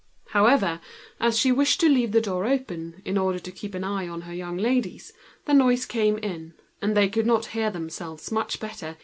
But as she wished to leave the door open, in order to look after the young ladies, the noise came in, and they could not hear much better.